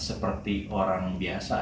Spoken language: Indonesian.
seperti orang biasa ya